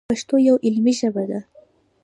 پښتو یوه علمي ژبه ده.